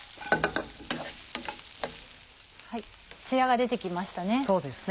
ツヤが出て来ましたね。